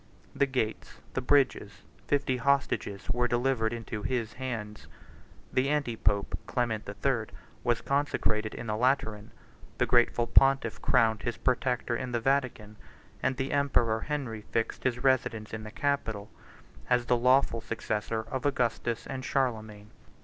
The gates, the bridges, and fifty hostages, were delivered into his hands: the anti pope, Clement the Third, was consecrated in the Lateran: the grateful pontiff crowned his protector in the Vatican; and the emperor Henry fixed his residence in the Capitol, as the lawful successor of Augustus and Charlemagne.